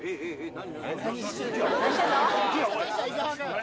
何？